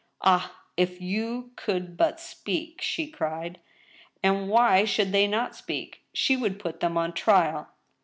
" Ah ! if you could but speak !■' she cried. And why should they not speak? She would put them on trial.